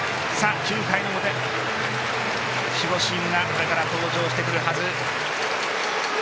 ９回の表守護神がこれから登場してくるはず。